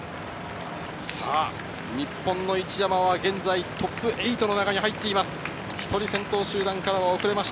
日本の一山は現在トップ８に入っています。